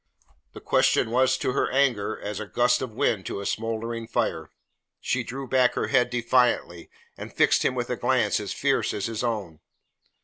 The question was to her anger as a gust of wind to a smouldering fire. She threw back her head defiantly, and fixed him with a glance as fierce as his own.